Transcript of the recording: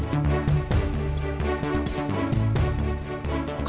มันสร้างตัวในทศอังกฤษ